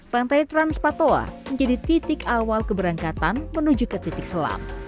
pantai transpatoa menjadi titik awal keberangkatan menuju ke titik selam